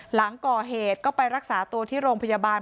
หลังก่อเหตุก็ไปรักษาตัวที่โรงพยาบาล